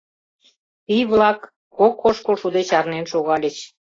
Пий-влак кок ошкыл шуде чарнен шогальыч.